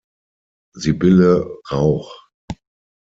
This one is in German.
Sybille Rauch